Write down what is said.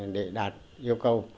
để đạt yêu cầu